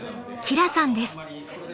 ［輝さんです］